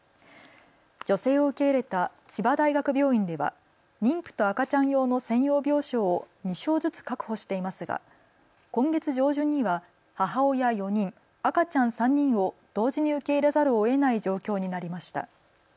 女性を受け入れた千葉大学病院では妊婦と赤ちゃん用の専用病床を２床ずつ確保していますが今月上旬には母親４人、赤ちゃん３人を同時に受け入れざるをえない状況になりました。